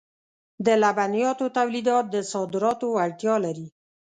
د لبنیاتو تولیدات د صادراتو وړتیا لري.